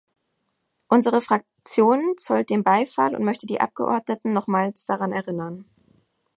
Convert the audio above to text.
Unsere Fraktion zollt dem Beifall und möchte die Abgeordneten nochmals daran erinnern.